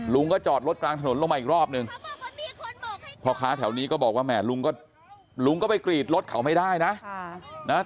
จอดรถกลางถนนลงมาอีกรอบนึงพ่อค้าแถวนี้ก็บอกว่าแหม่ลุงก็ลุงก็ไปกรีดรถเขาไม่ได้นะ